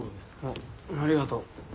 ありがとう。